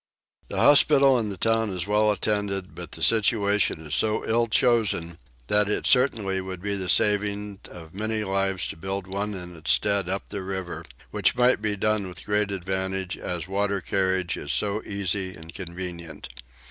The hospital in the town is well attended, but the situation is so ill chosen that it certainly would be the saving of many lives to build one in its stead up the river, which might be done with great advantage as water carriage is so easy and convenient.